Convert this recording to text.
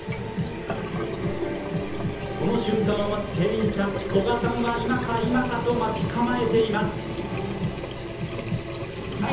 その瞬間を待つ店員さん、古賀さんは今か今かと待ち構えています。